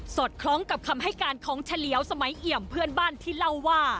อดคล้องกับคำให้การของเฉลียวสมัยเอี่ยมเพื่อนบ้านที่เล่าว่า